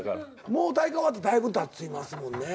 もう大会終わってだいぶたちますもんね。